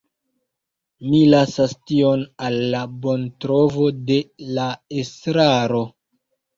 Mi lasas tion al la bontrovo de la estraro.